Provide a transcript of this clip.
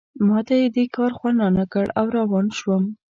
ما ته یې دې کار خوند رانه کړ او روان شوم.